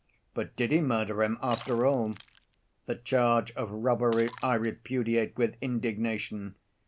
But did he murder him after all? The charge of robbery I repudiate with indignation.